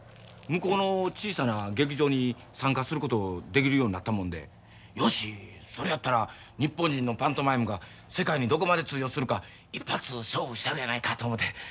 向こうの小さな劇場に参加することできるようになったもんでよしそれやったら日本人のパントマイムが世界にどこまで通用するか一発勝負したろやないかと思て。